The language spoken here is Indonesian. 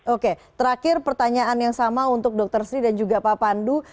oke terakhir pertanyaan yang sama untuk dr sri dan juga pak pandu